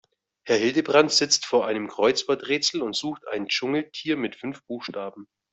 Herr Hildebrand sitzt vor einem Kreuzworträtsel und sucht ein Dschungeltier mit fünf Buchstaben.